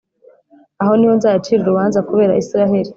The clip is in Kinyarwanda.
Aho ni ho nzayacira urubanza kubera Israheli,